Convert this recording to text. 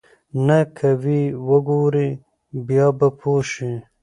نه که ويې وګورې بيا به پوى شې.